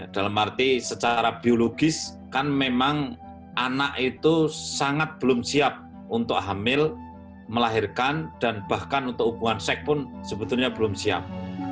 dalam arti secara biologis kan memang anak itu sangat belum siap untuk hamil melahirkan dan bahkan untuk hubungan seks pun sebetulnya belum siap